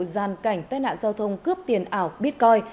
giàn cảnh tai nạn giao thông cướp tiền ảo bitcoin